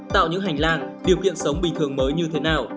tạo những hành lang điều kiện sống bình thường mới như thế nào